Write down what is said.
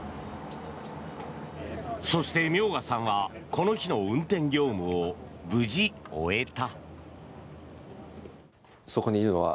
そして、明賀さんはこの日の運転業務を無事終えた。